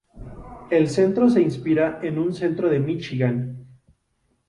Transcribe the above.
El centro se inspira en un centro de Michigan.